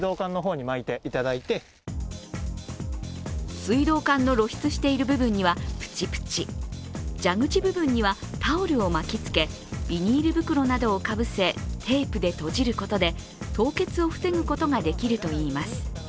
水道管の露出している部分にはプチプチ、蛇口部分にはタオルを巻きつけ、ビニール袋などをかぶせ、テープで閉じることで凍結を防ぐことができるといいます。